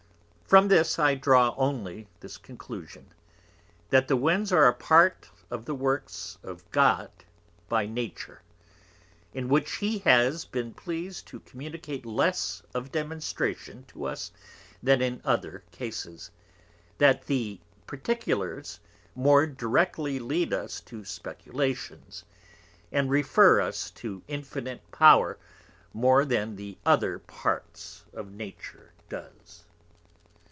From this I draw only this Conclusion, That the Winds are a Part of the Works of God by Nature, in which he has been pleased to communicate less of Demonstration to us than in other Cases; that the Particulars more directly lead us to Speculations, and refer us to Infinite Power more than the other Parts of Nature does.